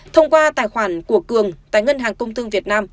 thông qua tài khoản của cường tại ngân hàng công thương việt nam